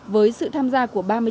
với sự tham gia của